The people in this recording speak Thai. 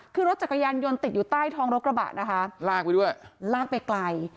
คือรถจักรยานยนต์ติดอยู่ใต้ท้องรถกระบะนะคะลากไปด้วยลากไปไกล